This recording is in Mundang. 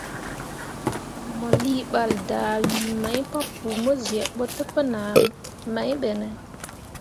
Mo lii ɓal dahwii mai papou mo zyeb ɓo təpənah mai ɓe ne?